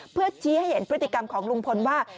เพื่อชี้ให้เห็นพฤติกรรมของลุงพลว่า